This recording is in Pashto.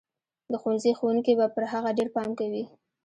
د ښوونځي ښوونکي به پر هغه ډېر پام کوي.